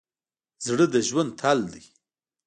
زړه د ژوند تل دی.